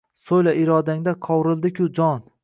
So‘yla irodangda qovrildi-ku jon.